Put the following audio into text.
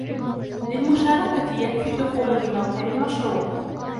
للمشاركة يكفي الدخول لموقع المشروع